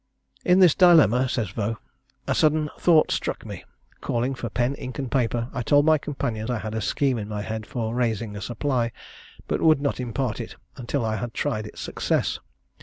"In this dilemma," says Vaux, "a sudden thought struck me. Calling for pen, ink, and paper, I told my companion I had a scheme in my head for raising a supply, but would not impart it until I had tried its success.